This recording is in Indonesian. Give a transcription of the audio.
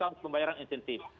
pembuka pembayaran insentif